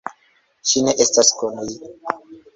Ŝi ne estas kun li.